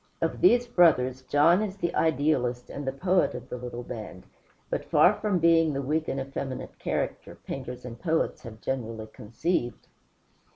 Of these brothers, John is the idealist and the poet of the little band, but far from being the weak and effeminate character painters and poets have generally conceived.